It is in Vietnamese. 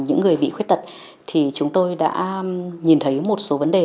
những người bị khuyết tật thì chúng tôi đã nhìn thấy một số vấn đề